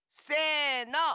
せの。